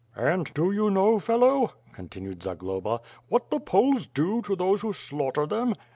"And do you know, fellow," continued Zagloba, "what the Poles do to those who slaughter them?